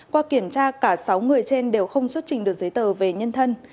qua kiểm tra cả sáu người trên đều không xuất trình được giấy tờ về nhân thân